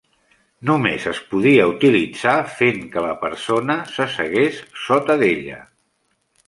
Només es podia utilitzar fent que la persona s'assegués sota d'ella.